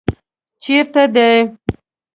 چېرته دی؟